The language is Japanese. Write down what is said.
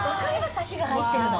サシが入ってるの。